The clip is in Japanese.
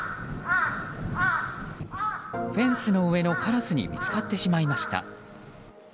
フェンスの上のカラスに見つかってしまいました。